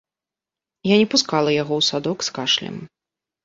Я не пускала яго ў садок з кашлем.